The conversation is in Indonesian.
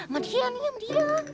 matian diam diam